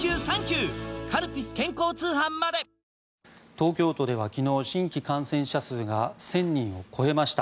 東京都では昨日新規感染者数が１０００人を超えました。